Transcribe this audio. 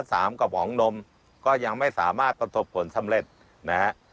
กระป๋องนมก็ยังไม่สามารถประสบผลสำเร็จนะฮะ